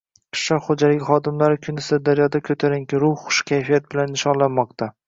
Qishloq xo‘jaligi xodimlari kuni Sirdaryoda – ko‘tarinki ruh, xush kayfiyat bilan nishonlanmoqda